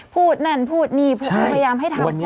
พูดนั่นพูดนี่พยายามให้ทำ